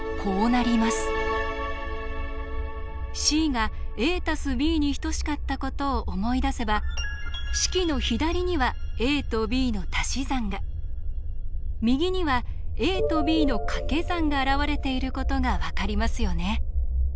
ｃがａ＋ｂに等しかったことを思い出せば式の左にはａとｂのたし算が右にはａとｂのかけ算が現れていることが分かりますよね。